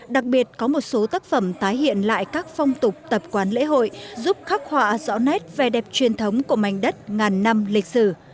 đặc biệt có một số tác phẩm tái hiện lại các phong tục tập quán lễ hội giúp khắc họa rõ nét về đẹp truyền thống của mảnh đất ngàn năm lịch sử